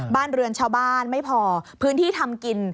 บ้านเรือนชาวบ้านไม่พอพื้นที่ทำกิน